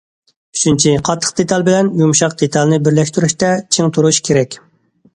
ئۈچىنچى، قاتتىق دېتال بىلەن يۇمشاق دېتالنى بىرلەشتۈرۈشتە چىڭ تۇرۇش كېرەك.